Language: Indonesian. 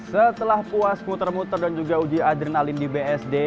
setelah puas muter muter dan juga uji adrenalin di bsd